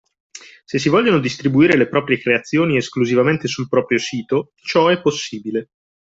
Se si vogliono distribuire le proprie creazioni esclusivamente sul proprio sito, ciò è possibile.